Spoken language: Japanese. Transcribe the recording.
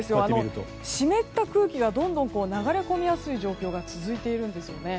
湿った空気がどんどん流れ込みやすい状況が続いているんですよね。